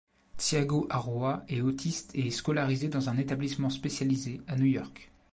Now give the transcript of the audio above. Tiago Aruã est autiste et est scolarisé dans un établissement spécialisé à New York.